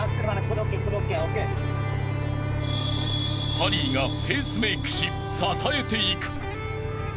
［ハリーがペースメイクし支えていく］